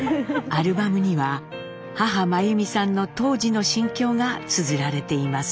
アルバムには母眞弓さんの当時の心境がつづられています。